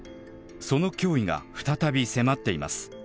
その脅威が再び迫っています。